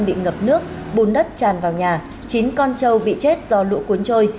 bị ngập nước bùn đất tràn vào nhà chín con trâu bị chết do lũ cuốn trôi